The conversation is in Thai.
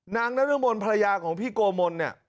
นางนางเรื้อมนต์ภรรยาของพี่โกมนเนี่ย